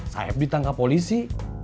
saeb ditangkap polisi